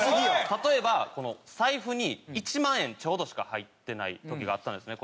例えば財布に１万円ちょうどしか入ってない時があったんですね